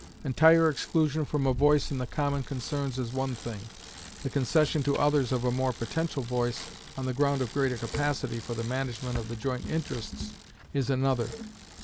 Entire exclusion from a voice in the common concerns is one thing: the concession to others of a more potential voice, on the ground of greater capacity for the management of the joint interests, is another.